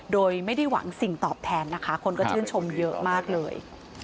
โดยไม่ได้หวังสิ่งตอบแทนนะคะคนก็ชื่นชมเยอะมากเลย